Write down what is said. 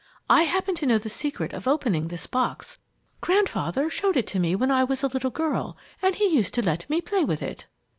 I happen to know the secret of opening this box. Grandfather showed it to me when I was a little girl, and he used to let me play with it."